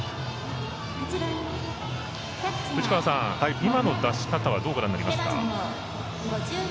藤川さん、今の出しかたはどうご覧になりますか？